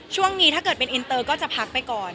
ถ้าเกิดเป็นอินเตอร์ก็จะพักไปก่อน